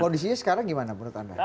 kondisinya sekarang gimana menurut anda